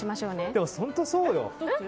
でも本当そうよ。